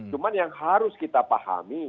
cuma yang harus kita pahami